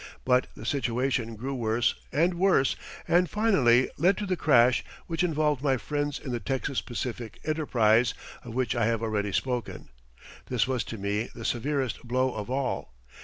But the situation grew worse and worse and finally led to the crash which involved my friends in the Texas Pacific enterprise, of which I have already spoken. This was to me the severest blow of all.